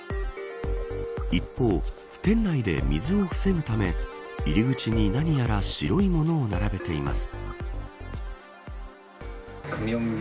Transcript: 一方、店内で水を防ぐため入り口に何やら白いものを並べています。